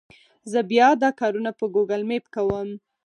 زه بیا دا کارونه په ګوګل مېپ کوم.